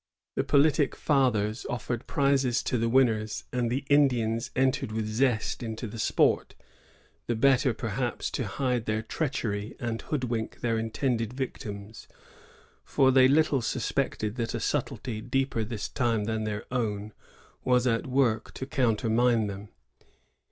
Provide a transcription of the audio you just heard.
The politic fathers offered prizes to the winners, and the Indians entered with zest into the sport, the better, perhaps, to hide their treachery and hoodwink their intended victims ; for they little suspected that a subtlety, deeper this time than* their own, was at work to countermine them.